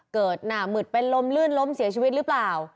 หนามึดเป็นลมลื่นล้มเสียชีวิตหรือเปล่า